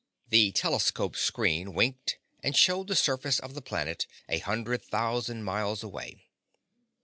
The telescope screen winked and showed the surface of the planet a hundred thousand miles away.